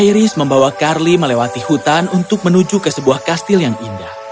iris membawa carly melewati hutan untuk menuju ke sebuah kastil yang indah